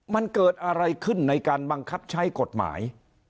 มันเกิดอะไรขึ้นในการบังคับใช้กฎหมาย